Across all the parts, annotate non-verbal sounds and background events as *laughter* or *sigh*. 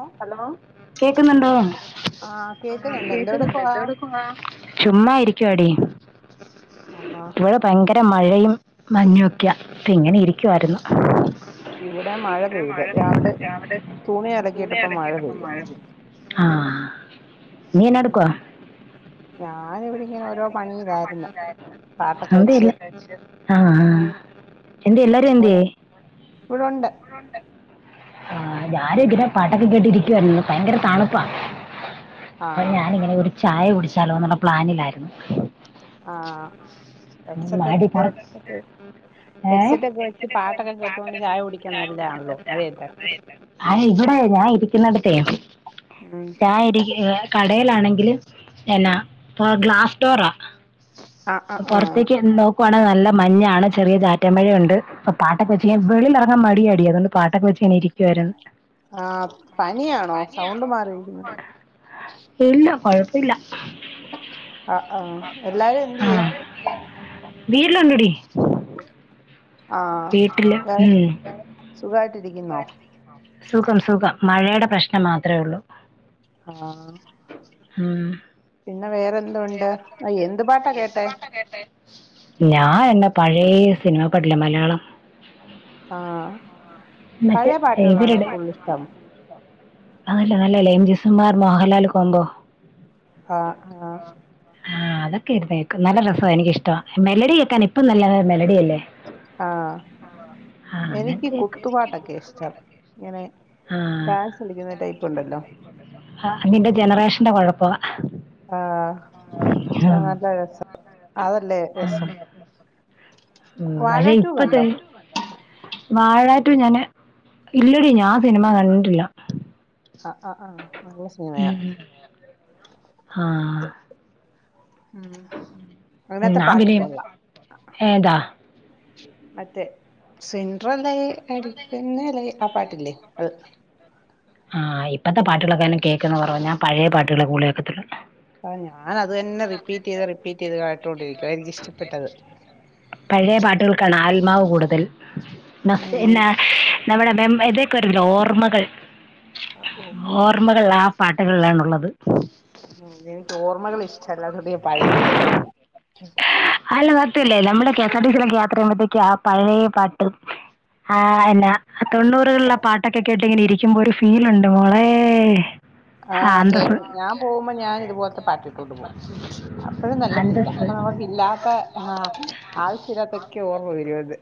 ഓ hello കേക്കുന്നുണ്ടോ? ആഹ് ആ കേക്കുന്നുണ്ട്. എന്തെടുക്കുവാ എന്തൊടുക്കുവാ? ചുമ്മായിരിക്കുവാടി ആഹാ ഇവിടെ ഭയങ്കര മഴയും മഞ്ഞൊക്കയ ഇപ്പ ഇങ്ങനെ ഇരിക്കുവായിരുന്നു മഴ പെയ്ത്. രാവിലെ തുണി അലക്കിയിട്ടപ്പ മഴ പെയ്ത് ആ നീ എന്നാ ഉം എടുക്കുവാ ഞാ ഞാനിവിടിങ്ങനോരോ വെച്ച് *unintelligible* ആ ആ എന്ത് എല്ലാരും എന്തേ ഇവിടെ ഇവിടൊണ്ട് ആ ഞാനിങ്ങനെ പാട്ടൊക്കെ കേട്ടിരിക്കുവായിരു ന്ന്. ഭയങ്കര തണുപ്പാ അപ്പൊ ആഹ് ഞാനിങ്ങനെ ഒരു ചായ കുടിച്ച് ചലോന്നുള്ള പ്ലാനില്ലായിരുന്നു ആഹ് ഹെഡ്സൊക്കെ മടി ഹെഡ്സൊക്കെ ഏയ് ഹെഡ്സെറ്റ് ഒക്കെ വെച്ച് പാട്ടൊക്കെ കേട്ടുകൊണ്ട് ചായ കുടിക്കാൻ നല്ലതാണല്ലോ മഴയത്ത് ഇവിടെ ഞാൻ *unintelligible* നടുകയം ഉം ദായിരിക്കുവാ ഇടയിലാണെങ്കില് എന്നാ ഇപ്പൊ ഗ്ലാസ്ഡോറ ആ ആ ആ ത്തേക്ക് നോക്കു ഇപ്പണെ നല്ല മഞ്ഞാണ്. ചെറിയ ചാറ്റമഴയൊണ്ട് പാട്ടൊക്കെവെച്ച് വെളിയിലിറാങ്ങാൻ മടിയാടി അതൊണ്ട് പാട്ടൊക്കെ വെച്ച് ഞാൻ ഇരിക്കുവായിരുന്നു ആ പനിയാണോ സൗണ്ട് മാറിയിരിക്കുന്നു ഇല്ല കൊഴപ്പമില്ല ആ ആ എല്ലാരും എന്തിയേ വീട്ടിടുണ്ടടീ ആ ഉം സുഖായിട്ടിരി സുഖം സുഖം മഴയുടെ പ്രശ്നം മാത്രമേ ഉള്ളൂ ആ ഉം. പിന്നെ വേറെഎന്തോ ഉണ്ട് എന്തു പാട്ടാ കേട്ടെ ഞാൻ എന്ന പഴയ സിനിമ പാട്ടില്ലേ മലയാളം ആ മറ്റേ പഴയ പാട്ടുകളാണോ ഇവരുടെ കൂടുതൽ ഇഷ്ടം അതല്ല നല്ലതല്ലേ M G Sreekumar Mohanlal combo ആ ആ ആ അതൊക്കെയിരുന്നു കേക്കും നല്ല രസമാണ് എനിക്കിഷ്ടം മെലഡി കേൾക്കാൻ ഇപ്പം നല്ല മെലഡി അല്ലേ ആ ആ എനിക്ക് അങ്ങനത്തെ കേൾക്കും കുത്തുപാട്ടൊക്കെ ഇഷ്ടം ഇങ്ങനെ ആഹ് ഡാൻസ് കളിക്കുന്ന ടൈപ്പ് ഉണ്ടല്ലോ നിന്റെ ജനറേഷന്റെ കുഴപ്പമാ ആ പക്ഷേ നല്ലരസ അതല്ലേ ആഹ് രസം ഉം വാഴ മഴ ടു ഇപ്പ ദേ. കണ്ടോ വാഴ ടു ഞാനെ ഇല്ലടി ഞാൻ സിനിമ കണ്ടിട്ടില്ല. ആഹ് ആഹ് ആഹ് നല്ല സിനിമയാ ഉം ആഹ് ഉം അതിനകത്തെ ഞാൻ പാട്ട് പിന്നെ കൊള്ളാം ഏതാ മറ്റേ. സെയിം അത്ര നല്ല. *unintelligible* പാട്ടില്ലേ അത്. ആഹ് ഇപ്പത്തെ പാട്ടുകളെക്കെ കേൾക്കുന്നു കുറവ്, ഞാൻ പഴയ പാട്ടുകളെ കൂടുതൽ കേൾക്കത്തൊള്ളൂ. ആ, ഞാൻ അത് തന്നെ റിപ്പീറ്റ് ചെയ്ത് റിപ്പീറ്റ് ചെയ്ത് കേട്ടോണ്ടിരിക്കുവാ എനിക്കിഷ്ടപ്പെട്ടത് പഴെ പാട്ടുകൾക്കാണ് ആൽ നാവ് കൂടുതൽ ഉം ന്നഹ് ന്നാ നമ്മുടെ മെം ഏതെക്കൊരു നോർമ്മകൾ ഓ ഓർമ്മകൾ ആഫ് പാട്ട്കള്ലാണുള്ളത് മ്മകളിഷ് ചെല്ലാത്തോണ്ടെ പഴയത് കേക്കത്തില്ല ട്ട്ല്ലേ നമ്മളെ കെ എസ് ആർ ടി സിയിലൊക്കെ യാത്ര യ്യുമ്പഴത്തേക്ക് ആഹ് പയേ പാട്ട് ആഹ് എന്നാ തെണ്ണൂറ്കള്ലെ പാട്ടൊക്കെ കേട്ടി ഇങ്ങനെരിക്കുമ്പോര് ആ ആഹ് ക്കെ അന്തസ്സ് ഞാ പോവുമ്പോ ഞാൻ ഇതുപോല്ത്തെ പാട്ടിട്ടോണ്ട് പോഉം ഉം അപ്പഴും നല്ല ഫീലാ. അന്തസ്സ് അപ്പൊ നമുക്ക് ഇല്ലാത്ത ആഹ് ആവശ്യല്ലാത്തെക്ക്യോ ഓർമ്മ വരും. അത്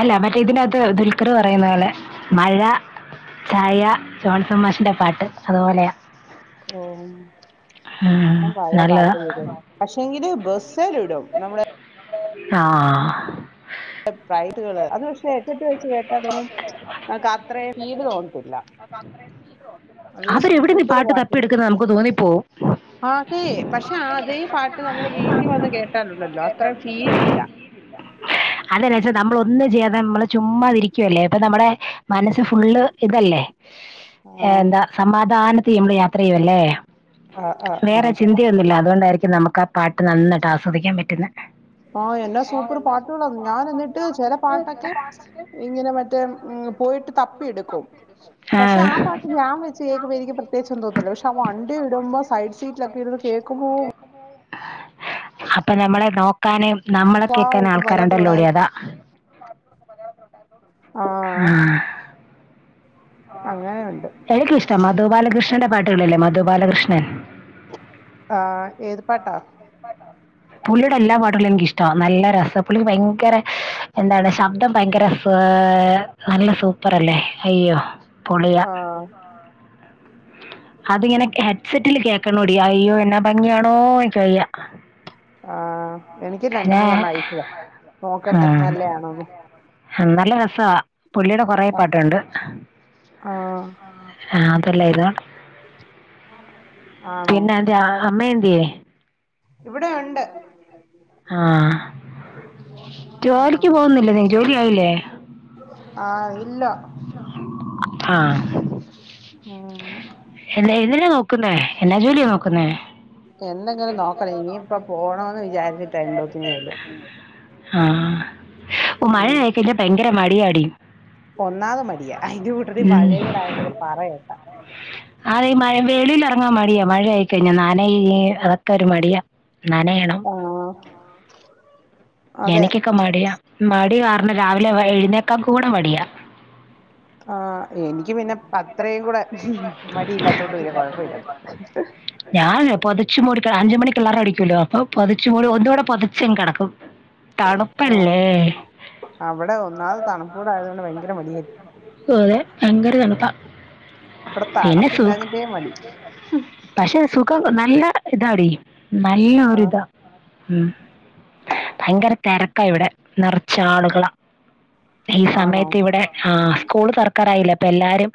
അല്ല മറ്റെ ഇതിന്റകത്ത് ദുൽക്കർ പറയുന്ന പോലെ മഴ, ചായ, ജോൺസൺമാഷിന്റെ പാട്ട്, അതുപോലെയാ ഓ ഉം, ഞാൻ പയേ പാട്ട് നല്ലതാ എ *unintelligible* യ്തു പക്ഷെങ്കിലും ബസ് എരുടും നമ്മുടെ ആ *unintelligible* അത് പക്ഷെ ഹെഡ്സെറ്റ് വെച്ച് കേട്ടാൽതന്നെ നമുക്ക് അത്രയും ഫീൽ തോന്നത്തില്ല നല്ല അവരെവിടെ നിന്ന് ഈ സൂപ്പർ പാട്ട് കള തപ്പിയെടുക്കുന്നത് നമുക്ക് തോന്നിപ്പോവും അതെ പക്ഷെ അതേ പാട്ട് നമ്മള് വീട്ടിൽ വന്ന് വിട്ടിൽ കേട്ടാലുണ്ടല്ലോ വന്ന് അത്രയും കേട്ടാലുണ്ടല്ലോ ഫീലില്ല ഫിലില്ല ആ അതെന്നാച്ചാൽ നമ്മള് ഒന്നും ചെയ്യാതെ നമ്മള് ചുമ്മാതിരിക്കുവല്ലേ അപ്പ നമ്മുടെ മനസ്സ് ഫുള്ള് ഇതല്ലേ ആ എന്താ സമാധാന ത്തിൽ നമ്മള് യാത്ര ചെയ്യുവല്ലേ ആ ആ ആ വേറെ ചിന്തയൊന്നു ഇല്ല അതുകൊണ്ടായിരിക്കു നമുക്ക് ആ പാട്ട് നന്നായിട്ട് ആസ്വദി ആസ്വദിക്കാൻ പറ്റുന്ന ആ എന്നാ സൂപ്പർ പാട്ടുകളാ ഞാൻ എന്നിട്ട് ചില പാട്ടൊക്കെ ഇങ്ങനെ മറ്റേ പോയിട്ട് തപ്പിയെടുക്കും പക്ഷെ ആ പാട്ട് ഞാൻ വെച്ച് കേൾക്കുമ്പോൾ എനിക്ക് പ്രത്യേകിച്ചൊന്നും തോന്നത്തില്ല പക്ഷെ ആ വണ്ടി ഇടുമ്പോ സൈഡ് സീറ്റിലൊക്കെ ഇരുന്ന് കേൾക്കുമ്പോ അപ്പൊ നമ്മളെ നോക്കാനെ നമ്മളെ കേക്കാൻ വാവ് വല്ലാത്തൊരു ആൾക്കാരുണ്ടല്ലോടി അതാ ആ മൂ അങ്ങനെയുണ്ട് എനിക്കിഷ്ട മധു ബാലകൃഷ്ണ നല്ല പാട്ടുകളല്ലേ മധു ബാലകൃഷ്ണൻ ആ ഏത് പാട്ടാ പുള്ളിയുടെ എല്ലാ പാട്ടുകളും എനിക്കിഷ്ട നല്ല രസാ പുള്ളിക്ക് ഭയങ്കര എന്താണ് ശബ്ദം ഭയങ്കര സ്ലോ നല്ല സൂപ്പറല്ലേ പൊളിയാ ആ അതിങ്ങനെ ഹെഡ്സെറ്റില് കേക്ക കേൾക്കണോടി അയ്യോ എന്നാ ഭംഗിയാണോ വയ്യ ആ എനിക്ക് രണ്ട് മൂന്നെണ്ണം അയച്ചതാ *unintelligible* നോക്കട്ടെ നല്ലയാണോന്ന് ഹാ നല്ല രസവാ പുള്ളിടെ കൊറേ ആ പാട്ടുണ്ട് ആ, അതല്ല ഇത് ആണോ പിന്നെ എന്റെ അമ്മ എ ന്തിയെ? ഇവിടെ ഉണ്ട് ആഹ് ആ ജോലിക്ക് പോവുന്നില്ലേ നീ ജോലി ആയില്ലേ ആ ഇല്ല ആഹ് ഉം *unintelligible* നോക്കുന്നേ എന്നാ ജോലിയാ നോക്കുന്നേ എന്തെങ്കിലും നോക്കണം ഇനിയിപ്പ പോണോന്ന് വിചാരിച്ചിട്ടാ എന്തോത്തിനേലും ആഹ് മഴ ആയിക്കഴിഞ്ഞാ ഭയങ്ക മടിയാടി ഒന്നാതെ മടിയാ, അതിന്റെ കൂട്ടത്തി ഉം. മഴേം കൂടെ ആയാ പിന്നെ പറയണ്ട അതെ മഴേ *unintelligible* ങ്ങാ മടിയാ മഴ ആയിക്കഴിഞ്ഞ നനയില്ലെ അതൊക്കെ ഒരു മടിയാ നനയണം ആ എനിക്കൊക്കെ മടിയാ മടി കാ ര്ണ രാവിലെ വൈ എഴുന്നേക്കാൻ കൂടെ മടിയാ ആ എനിക്ക് പിന്നെ അത്രേം കൂടെ മടിയില്ലാത്തോണ്ട് പിന്നെ കൊഴപ്പമില്ലത് ഞാൻ പൊതച്ചു മൂടി അഞ്ച് മണിക്കലാറം അടിക്കൂല്ലോ അപ്പൊ പൊതച്ചു മൂടി ഒന്നുകൂടെ പൊതച്ചങ്ങ് കിടക്കും ആ തണുപ്പല്ലേ! അവിടെ ഒന്നാത് തണുപ്പൂടെ ആയതുകൊണ്ട് ഭയങ്കര മടിയ ഓ, അതെ. ഭയങ്കര തണുപ്പാ. ഇവിടെ പിന്നെ സു തണുപ്പില്ലാഞ്ഞിട്ടേ മടി ഹും പക്ഷെ സുഖം നല്ല ഇതാടി നല്ല ഒരു ഇതാ ഉം ഭയങ്കര തിരക്കാ ഇവിടെ നിറച്ച് ആളുകളാ ഈ ആണോ സമയത്ത് ഇവിടെ ആ സ്കൂള് തുറക്കാറായില്ലേ അപ്പൊ എല്ലാരും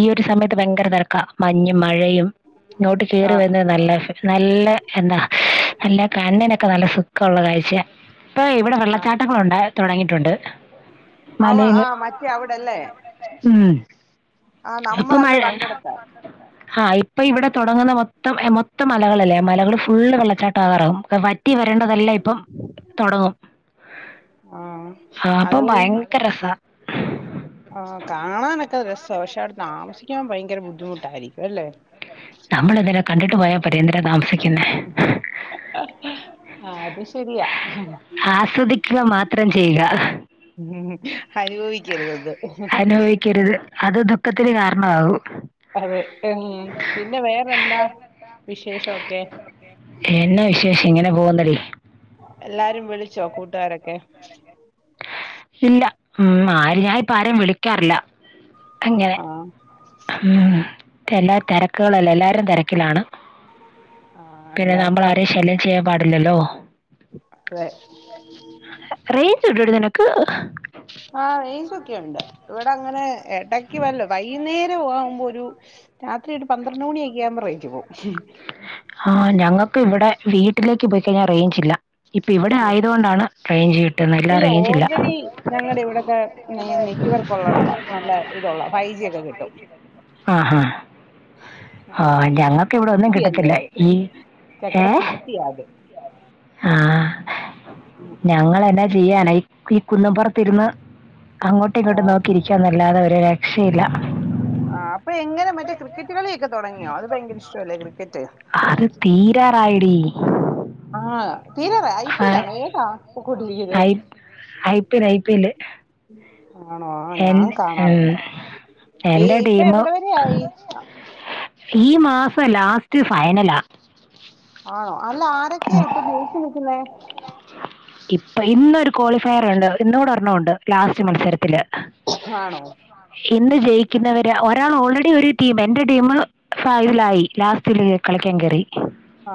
ഈ ഒരു സമയത്ത് ഭയങ്കര തെരക്കാ മഞ്ഞും മഴയും ഇങ്ങോട്ട് കേറി ആഹ് വരുന്നത് നല്ല നല്ല എന്താ നല്ല കണ്ണിന് ക്കെ നല്ല സുഖള്ള കാഴ്ചയാ ഇപ്പൊ ഇവിടെ ആഹ് വെള്ളച്ചാട്ടങ്ങള് ഉണ്ടെ തുടങ്ങിയിട്ടുണ്ട് അവ മലേന്ന് ആഹ് മറ്റേ അവിടെല്ലേ ഉം ആഹ് ഇപ്പ മഴ നമ്മളന്ന് കണ്ടെടുത്ത ആ ഇപ്പ ഇവിടെ തുടങ്ങുന്ന മൊത്തം എ മൊത്തം മലകളല്ലേ അ മലകൾ ഫുള്ള് വെള്ള ചാട്ടാകാറാകും വറ്റി വരേണ്ടതെല്ല ഇപ്പം തുടങ്ങും ആഹ് ആ അപ്പൊ അത് കഴിഞ്ഞ് ഭയങ്കര രസാ സ പക്ഷെ അവ്ടെ താമസിക്കാൻ ഭയങ്കര ബുദ്ധിമുട്ടായിരിക്കും അല്ലേ നമ്മൾ എന്തിനാ കണ്ടിട്ട് പോയാ പോരേ എന്തിനാ താമസിക്ക അത് ശരിയാ ആസ്വദിക്കുക മാത്രം ചെയ്യുക അനുഭവിക്കരുതെന്ന് അതത ക്കത്തിന് കാരണമാകു വേറെ എന്താ വിശേഷൊഒക്കെ എന്നെ വിശേഷം ഇങ്ങനെ പോകുന്നടി എല്ലാരും വിളിച്ചോ കൂട്ടുകാരൊക്കെ ഇല്ല ഉം ആര് ഞാൻപ്പ ആരേം വിളിക്കാറില്ല ആ ആ എല്ലാ തിരക്കുകളല്ല എല്ലാവാരും തിരക്കിലാണ് ആ പിന്നെ എല്ലാർക്കും നമ്മളാരേം ശല്യം ചെയ്യ പാടില്ലല്ലോ അതെ. റേഞ്ച് ഉണ്ടോടി നിനക്ക് ആ റേഞ്ചൊക്കെ ഒണ്ട് ഇവിടെ അങ്ങനെ എടക്ക് വല്ലോം വൈകുന്നേരവാവുമ്പോ ഒരു രാത്രി ഒരു പന്ത്രണ്ട് മണിയൊക്കെ ആകുമ്പോ റെയ് പോവും ഹാ ഞങ്ങ ക്ക്‌ ഇവിടെ വീട്ടിലേക്ക് പോയിക്കഴിഞ്ഞാൻ റേയ്ഞ്ചില്ല ഹോ ഇല്ല ഓൾറെഡി ഞങ്ങടെ ഇവിടൊക്കെ നെ നെറ്റ്‌വർക്ക് ഉള്ളടവാ നല്ല ഇതൊള്ള ഫൈവ് ജി ഒക്കെ കിട്ട ആ ആ ആ ഞങ്ങൾക്ക് ഇവിടെ ഒന്നും സിറ്റി അല്ലേ കിട്ടത്തില്ല അത് ഈ ഞങ്ങടെ ഏ സിറ്റി ആ അത് ആ ഞങ്ങൾ എന്നാ ചെയ്യാന ഈ കുന്നും പൊർത്ത് ഇര്ന്ന് അങ്ങോട്ടും ആ. ഇങ്ങട്ടും നോക്കിയിരിക്കാന്നല്ലാതെ ഒര് ര ക്ഷില്ലാ ആ അപ്പൊ എങ്ങനെ മറ്റേ ക്രിക്കറ്റ് കളിയൊക്കെ തൊടങ്ങിയോ അത് ഭയങ്കര ഇഷ്ടവല്ലേ ക്രിക്കറ്റ് അത് തീരാറായിടി ആ തീരാറായോ ഐ പി എൽ ആണോ ഏതാ പൊക്കൊണ്ടിരിക്കിന്നെ I P I P L ആണോ ആ ഞാൻ കാണാറില്ല ഇ എന്റെ ഇപ്പെ ടീം എവിടെ വരെ ആയി ഈ മാസം ലാസ്റ്റ് ഫൈനലാ ആണോ അല്ല ആരൊക്കെ ഇപ്പം ജയിച്ച് നിക്ക്‌ന്നേ ഇപ്പൊ ഇന്നൊരു ക്വാളിഫയർ ഉണ്ട് ഇന്നുകൂടെ ഒരെണ്ണം ഉണ്ട് ലാസ്റ്റ് മത്സരത്തിൽ ആണോ ഇന്ന് ജയിക്കുന്നവര് ഒ ഒരാൾ ഓൾറെഡി ഒരു ടീം എന്റെ ടീം ഫൈനലായി ലാസ്റ്റ് ൽ കളിക്കാൻ കേറി ആ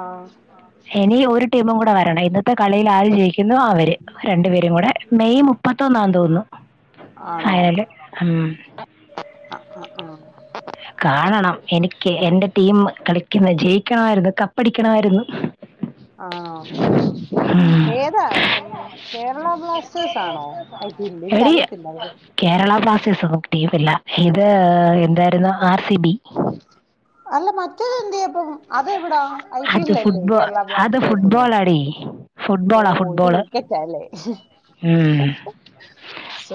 എനി ഒരു ടീമും കൂടെ വരണം ഇന്ന് കളീൽ ആര് ജയിക്കുന്നു അവര് രണ്ടുപേരും കൂടെ മെയ് മുപ്പത്തൊന്നാന്ന് തോന്നുന്നു ആണോ ഫൈനൽ ഉം ആ, ആ, ആ. കാണണം എനിക്ക് എ എന്റെ ടീം കളിക്കുന്നെ ജയിക്കണമായിരുന്നു കപ്പടിക്കണാമായിരുന്നു ആണോ ഉം. ഏതാ ഉം കേരള ബ്ലാസ്റ്റേഴ്സ് ആണോ ഐ പി എൽ എനിക്കറിയത്തില്ല ഇത് ബ്ലാസ്റ്റേഴ്‌സ്ൻ ഒന്നും ടീമില്ല ഇത് എന്തായിരുന്നു ആർ സി ബി അല്ല മറ്റേത് എന്തിയെ അപ്പം അത് എവ്ടാ ഐ പി അത് എല്ലിൽ അല്ലേ ഫുട്ബോൾ കേരള അത് ബ്ലാസ്റ്റേഴ്സിൻ ഫുട്ബോളാടി ഫുട്ബോളാ ഫുട്ബോള് ഉം.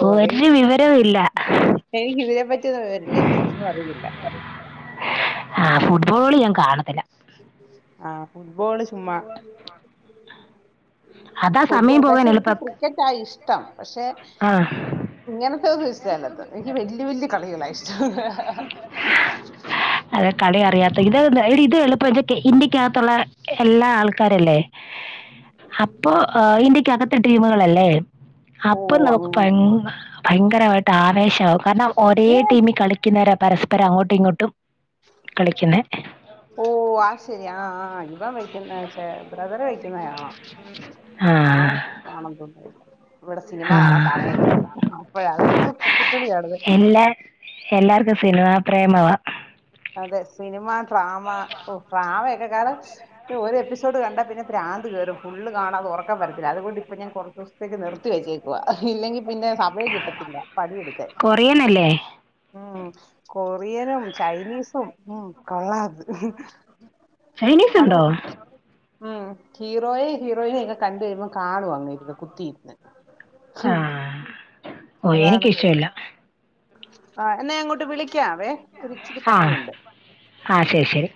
ഒരു വിവരവും ഇല്ല ആ ഫുഡ് ബോൾ ഞാൻ കാണത്തില്ല ആ ഫുട്ബോള് ചുമ്മാ അതാ സമയം ഫുട്ബോൾ പോകാൻ പക്ഷെ എനിക്ക് എളുപ്പം ക്രിക്കറ്റാ ഇഷ്ടം പക്ഷെ ആ ഇങ്ങനത്തെ ഒന്നും ഇഷ് ട്ട ഇല്ലാത്തെ എനിക്ക് വല്യ വല്യ കളികളാ ഇഷ്ടം അത് കളി അറിയാത്തെ ഇത് ത് എടി ഇത് എളുപ്പാ ഇതൊക്കെ ഇന്ത്യ ത്തുള്ള എല്ലാ ആൾക്കാരല്ലേ അപ്പോ ഇന്ത്യക്കകത്ത് ടീമുകളല്ലേ ഓ അപ്പൊ നമക്ക് അങ്ങനെ ഭയ- ഭയങ്കരമായിട്ട ശവും ണം *unintelligible* ഒരേ ഏ ടീമിൽ കളിക്കുന്നേരം പരസ്പരം അങ്ങോട്ടും ഇങ്ങോട്ടും കളിക്കുന്നത് ഓ ആ ശരി ആ ആ ഇപ്പ വെക്കുന്ന ബ്രദർ വെക്കു- കാണാം ആ കാണൻ തോന്ന ഇവിടെ സിനിമ ആ കാണാൻ സമയ ഇല്ലാണ്ട് അപ്പോഴാണ് ക്രിക്കറ്റ് കളി കാണത് എല്ലാ എല്ലാവർക്കും സിനിമാ പ്രേമവാ അതെ സിനിമ ഡ്രാമ ഡ്രാമ കാണം നോ ഒരു എപ്പിസോഡ് കണ്ടാ പിന്നെ പ്ര്രാന്ത് കയറും ഫുൾ കാണാതെ ഉറക്കം പരത്തി അതുകൊണ്ട് ഇപ്പ ഞാൻ കുറച്ച് ദിവസത്തേക്ക് നിർത്തി വെച്ചേക്ക ഇല്ലെങ്കിൽ പിന്നെ സമയം കിട്ടത്തില്ല പണിയെടുക്ക കൊറിയൻ അല്ലേ ഉം കൊറിയനും ചൈനീസ് സും ഉം കൊള്ളാം ത് ചൈനീസ് ഉണ്ടോ ഉം ഹീറോയ ഹീറോയിനെ ഇക്കെ കണ്ട വരുമ്പോം കാണും അങ്ങ് ഇരുന്ന് കുത്തിയിരുന്ന് ആഹ് ഓ എനിക്ക അതാണ് കൊഴ ഇഷ്ടമല്ല ആ എന്നാ അങ്ങോട്ട് വിളിക്കാവേ ഒരിച്ചിരി ആഹ് പണിയുണ്ട് ആഹ് ശരി ശരി